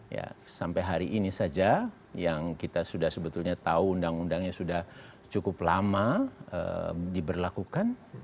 ya sampai hari ini saja yang kita sudah sebetulnya tahu undang undangnya sudah cukup lama diberlakukan